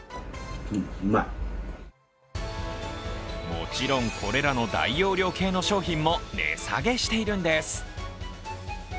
もちろんこれらの大容量系の商品も値下げしているんです。